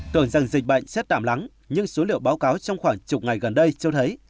tưởng rằng dịch bệnh sẽ tạm lắng nhưng số liệu báo cáo trong khoảng chục ngày gần đây cho thấy